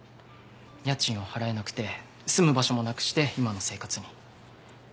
家賃を払えなくて住む場所もなくして今の生活に。